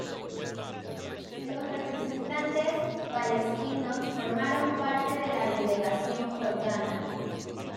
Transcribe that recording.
Los representantes palestinos formaron parte de la Delegación jordana.